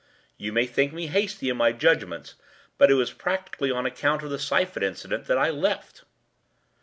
You may think me hasty in my judgments, but it was practically on account of the syphon incident that I left.